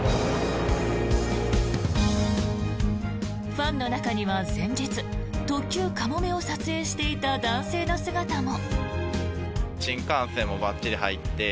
ファンの中には前日特急かもめを撮影していた男性の姿も。